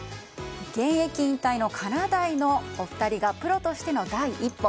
現役引退のかなだいのお二人がプロとしての第一歩。